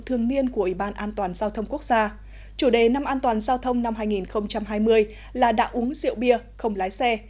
chủ đề năm an toàn giao thông năm hai nghìn hai mươi là đạo uống rượu bia không lái xe